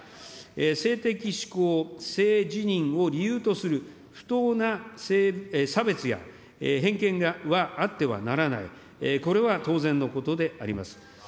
せいてきしこう、性自認を理由とする不当な差別や偏見があってはならない、これは当然のことであります。